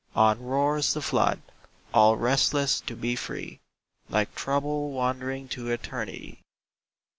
On roars the flood, all restless to be free, Like Trouble wandering to Eternity.